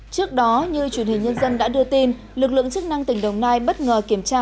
trước đó như truyền hình nhân dân đã đưa tin lực lượng chức năng tỉnh đồng nai bất ngờ kiểm tra